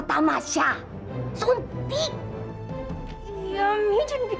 kamu agaknya appreciate sama dia